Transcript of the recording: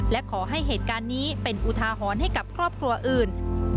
และขอให้เหตุการณ์นี้เป็นอุทาหรณ์ให้กับครอบครัวอื่น